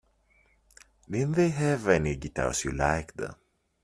Didn't they have any guitars you liked?